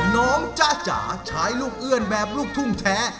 จ๊ะจ๋าใช้ลูกเอื้อนแบบลูกทุ่งแท้